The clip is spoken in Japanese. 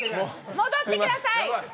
戻ってください！